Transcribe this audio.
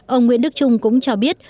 ông nguyễn đức trung cũng cho biết